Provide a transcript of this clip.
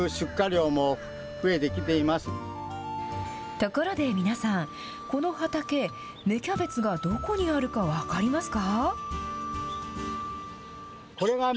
ところで皆さん、この畑、芽キャベツがどこにあるか、分かりますか？